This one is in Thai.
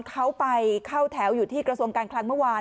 เขาไปเข้าแถวอยู่ที่กระทรวงการคลังเมื่อวาน